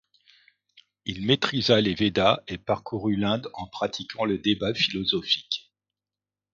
Il maîtrisa les Védas et parcourut l'Inde en pratiquant le débat philosophique.